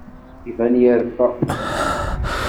Iban yerfa.